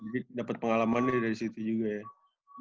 jadi dapet pengalaman dari situ juga ya